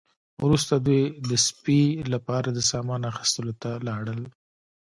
وروسته دوی د سپي لپاره د سامان اخیستلو ته لاړل